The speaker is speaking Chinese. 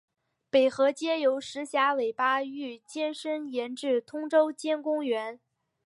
北河街由石硖尾巴域街伸延至通州街公园。